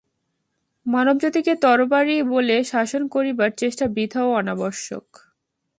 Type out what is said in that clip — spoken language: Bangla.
মানবজাতিকে তরবারি-বলে শাসন করিবার চেষ্টা বৃথা ও অনাবশ্যক।